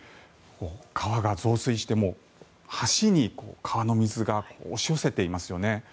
川が増水して、橋に川の水が押し寄せていますよね。